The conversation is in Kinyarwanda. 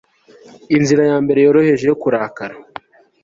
Inzira ya mbere yoroheje yo kurakara